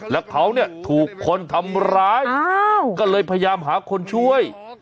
แล้วเขาเนี่ยถูกคนทำร้ายก็เลยพยายามหาคนช่วย